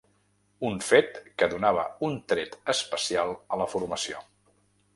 Un fet que donava un tret especial a la formació.